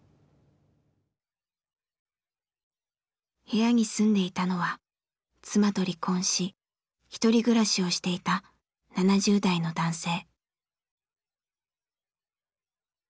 部屋に住んでいたのは妻と離婚しひとり暮らしをしていた７０代の男性。